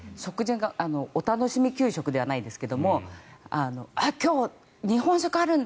お楽しみ給食じゃないですが今日、日本食あるんだ！